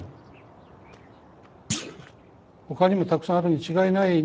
ほかにもたくさんあるに違いない。